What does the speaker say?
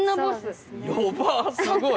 すごい！